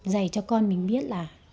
dạy cho con mình biết là